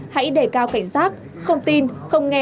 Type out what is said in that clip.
hãy để cao cảnh giác không tin không nghe